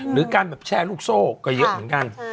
หรือการแบบแชร์ลูกโซ่ก็เยอะเหมือนกัน